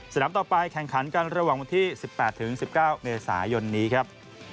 ต่อไปแข่งขันกันระหว่างวันที่๑๘๑๙เมษายนนี้ครับ